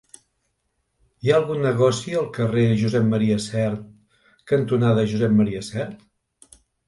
Hi ha algun negoci al carrer Josep M. Sert cantonada Josep M. Sert?